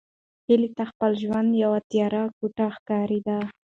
هیلې ته خپل ژوند یوه تیاره کوټه ښکارېده.